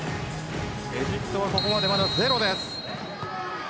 エジプトはここまでまだゼロです。